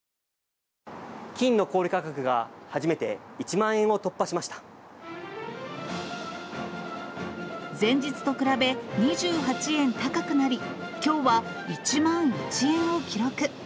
金の小売り価格が初めて１万前日と比べ２８円高くなり、きょうは１万１円を記録。